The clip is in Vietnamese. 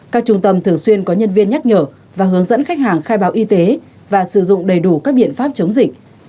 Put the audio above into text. các trung tâm thường xuyên có nhân viên nhắc nhở và hướng dẫn khách hàng khai báo y tế và sử dụng đầy đủ các biện pháp chống dịch